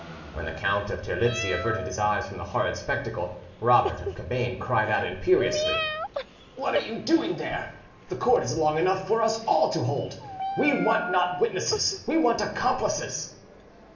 When the Count of Terlizzi averted his eyes from the horrid spectacle, Robert of Cabane cried out imperiously— "What are you doing there? The cord is long enough for us all to hold: we want not witnesses, we want accomplices!"